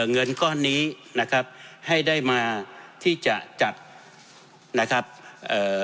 เงินก้อนนี้นะครับให้ได้มาที่จะจัดนะครับเอ่อ